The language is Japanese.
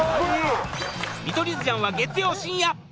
『見取り図じゃん』は月曜深夜！